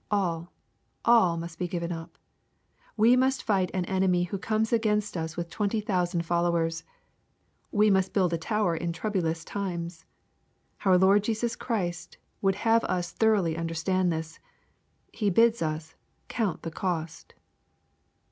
All — all must be given up. We must fight an enemy who comes against us with twenty thou sand followers. We must build a tower in troublous times. Our Lord Jesus Christ would have us thoroughly understand this. He bids us " count the cost."